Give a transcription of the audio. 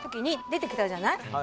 出てきたじゃない